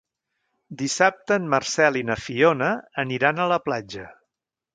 Dissabte en Marcel i na Fiona aniran a la platja.